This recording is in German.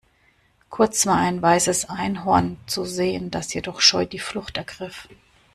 Kurz war ein weißes Einhorn zu sehen, das jedoch scheu die Flucht ergriff.